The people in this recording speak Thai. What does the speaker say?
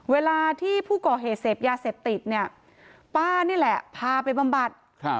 เวลาที่ผู้ก่อเหตุเสพยาเสพติดเนี่ยป้านี่แหละพาไปบำบัด